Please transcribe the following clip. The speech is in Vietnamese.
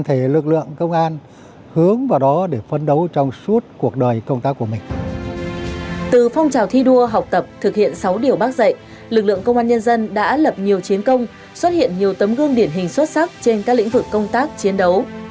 từ phong trào thi đua học tập thực hiện sáu điều bác dạy lực lượng công an nhân dân đã lập nhiều chiến công xuất hiện nhiều tấm gương điển hình xuất sắc trên các lĩnh vực công tác chiến đấu